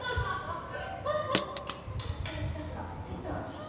やったやった、ほら、ついた。